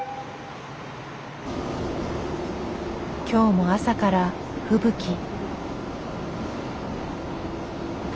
今日も朝から吹雪。